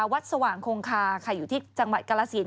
วัดสว่างโครงคาอยู่ที่จังหบัดกรสิน